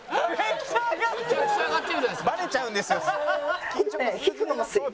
バレちゃうんですよ。